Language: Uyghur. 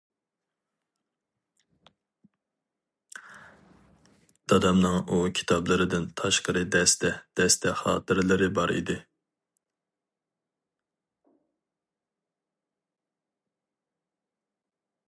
دادامنىڭ ئۇ كىتابلىرىدىن تاشقىرى دەستە-دەستە خاتىرىلىرى بار ئىدى.